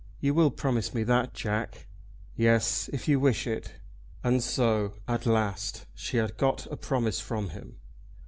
You will promise me that, Jack?" "Yes; if you wish it." And so at last she had got a promise from him!